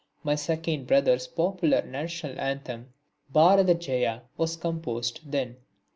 My second brother's popular national anthem "Bharater Jaya," was composed, then.